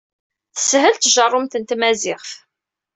Teshel tjeṛṛumt n tmaziɣt.